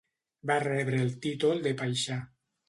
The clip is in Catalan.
Va rebre el títol de paixà.